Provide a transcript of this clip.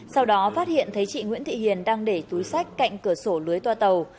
sau đó phát hiện thấy chị nguyễn thị hiền đang để túi sách cạnh cửa sổ lưới toa tàu